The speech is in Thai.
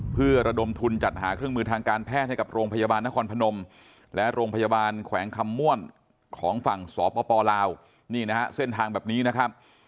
เพื่อระดมทุนจัดหาเครื่องมือทางการแพทย์ให้กับโรงพยาบาลนครพนมและโรงพยาบาลแขวงคำม่วนของฝั่งสปลาวนี่นะฮะเส้นทางแบบนี้นะครับ